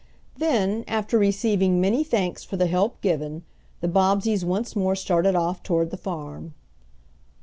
Then, after receiving many thanks for the help given, the Bobbseys once more started off toward the farm.